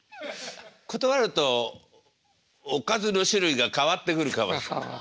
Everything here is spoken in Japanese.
断るとおかずの種類が変わってくるかもしれない。